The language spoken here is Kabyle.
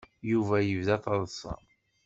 Yuba yebda taḍsa.